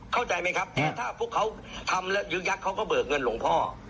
เข้าใจไหมครับแต่ถ้าพวกเขาทำแล้วยึกยักษ์เขาก็เบิกเงินหลวงพ่อ